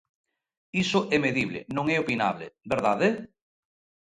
Iso é medible, non é opinable, ¿verdade?